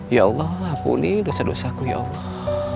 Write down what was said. ya allah ampuni dosa dosaku ya allah